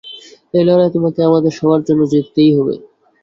এই লড়াইয়ে তোমাকে আমাদের সবার জন্য জিততেই হবে।